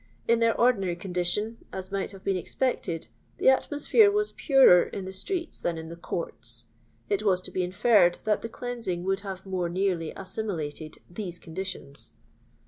In their ordinary condition, as might have been expected, the atmosphere was purer in the streets than in the courts ; it was to be inferred that the cleansing would have more nearly assimilated these conditions.